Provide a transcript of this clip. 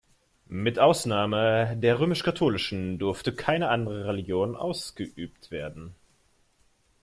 Mit Ausnahme der römisch-katholischen durfte keine andere Religion ausgeübt werden.